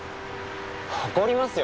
怒りますよ？